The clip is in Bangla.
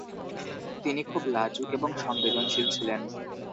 তিনি খুব লাজুক এবং সংবেদনশীল ছিলেন।